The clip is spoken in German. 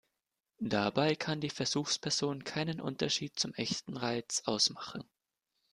Dabei kann die Versuchsperson keinen Unterschied zum echten Reiz ausmachen.